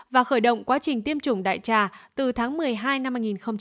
và khởi động quá trình tiêm chủng đại trà từ tháng một mươi hai năm hai nghìn hai mươi